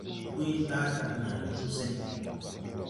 Pũy laa jāg nãy tu sen.